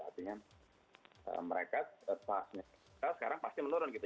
artinya mereka sekarang pasti menurun gitu